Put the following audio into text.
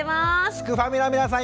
すくファミの皆さん